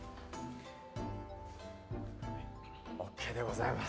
ＯＫでございます。